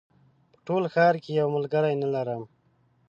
په ټول ښار کې یو ملګری نه لرم